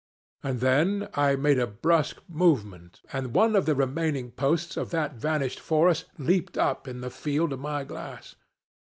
And then I made a brusque movement, and one of the remaining posts of that vanished fence leaped up in the field of my glass.